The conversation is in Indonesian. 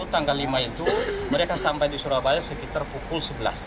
tanggal lima itu mereka sampai di surabaya sekitar pukul sebelas